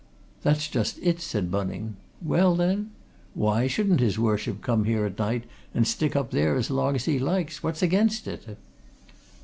"That's just it," said Bunning. "Well, then? Why shouldn't his Worship come here at night and stick up there as long as he likes? What's against it?"